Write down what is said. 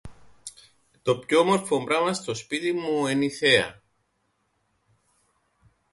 Το πιο όμορφον πράμαν στο σπίτιν μου εν' η θέα.